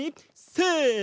せの。